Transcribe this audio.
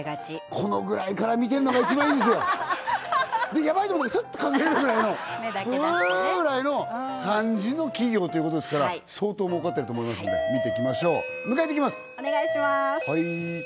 このぐらいから見てるのが一番いいんですよでヤバいとこでスッと隠れるぐらいのツーぐらいの感じの企業ということですから相当儲かってると思いますんで見てきましょう迎えいってきます